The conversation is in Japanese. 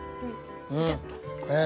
うん。